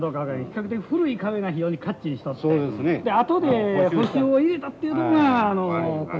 比較的古い壁が非常にかっちりしとってあとで補修を入れたっていうとこが故障が多いですよね。